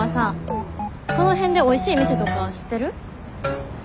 この辺でおいしい店とか知ってる？